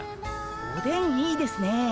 おでんいいですね。